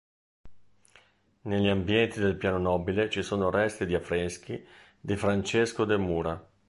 Negli ambienti del piano nobile ci sono resti di affreschi di Francesco De Mura.